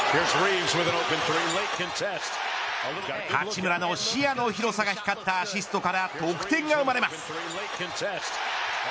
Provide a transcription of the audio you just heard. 八村の視野の広さが光ったアシストから得点が生まれます。